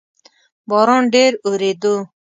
باران ډیر اوورېدو